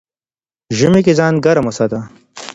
ژمی ځان ګرم وساته